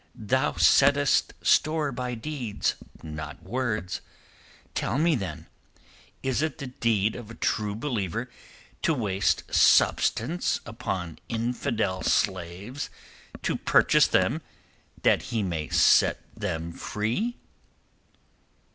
Thou settest store by deeds, not words. Tell me, then, is it the deed of a True Believer to waste substance upon infidel slaves, to purchase them that he may set them free?"